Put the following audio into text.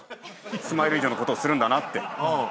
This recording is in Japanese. スマイル以上のことをするんだなって思って。